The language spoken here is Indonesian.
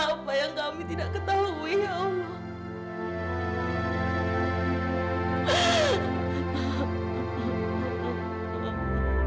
apa yang kami tidak ketahui ya allah